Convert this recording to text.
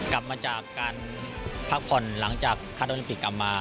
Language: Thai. กลับมาจากการพักผ่อนหลังจากคัดโอลิมปิกกลับมา